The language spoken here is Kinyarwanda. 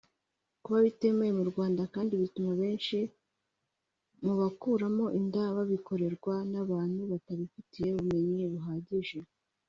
Kuba bitemewe mu Rwanda kandi bituma benshi mu bakuramo inda babikorerwa n’abantu batabifitiye ubumenyi buhagije